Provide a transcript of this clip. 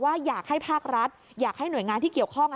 อยากให้ภาครัฐอยากให้หน่วยงานที่เกี่ยวข้อง